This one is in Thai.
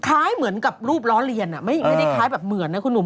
คล้ายเหมือนกับรูปล้อเลียนไม่ได้คล้ายแบบเหมือนนะคุณหนุ่ม